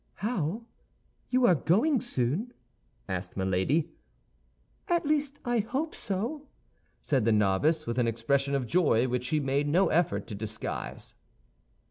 "How, you are going soon?" asked Milady. "At least I hope so," said the novice, with an expression of joy which she made no effort to disguise.